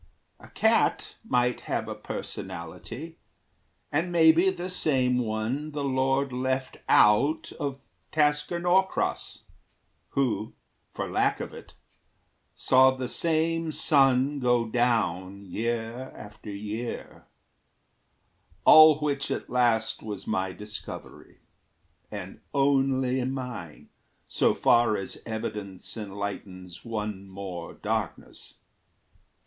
The cat might have a personality And maybe the same one the Lord left out Of Tasker Norcross, who, for lack of it, Saw the same sun go down year after year; All which at last was my discovery. And only mine, so far as evidence Enlightens one more darkness.